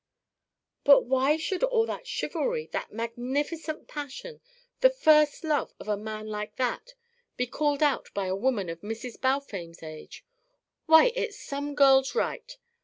"But why should all that chivalry that magnificent passion the first love of a man like that be called out by a woman of Mrs. Balfame's age? Why, it's some girl's right!